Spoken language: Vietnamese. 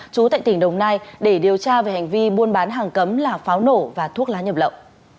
chú tại tỉnh đồng nai để điều tra về hành vi buôn bán hàng cấm là pháo nổ và thuốc lá nhập lậu